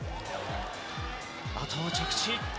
あとは着地。